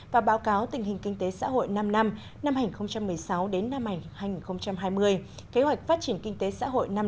và báo cáo tình hình kinh tế xã hội năm năm năm hành một mươi sáu đến năm hành hai nghìn hai mươi kế hoạch phát triển kinh tế xã hội năm năm